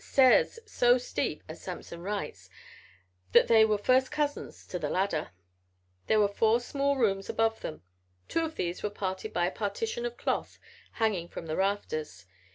Stairs so steep, as Samson writes, that "they were first cousins to the ladder." There were four small rooms above them. Two of these were parted by a partition of cloth hanging from the rafters.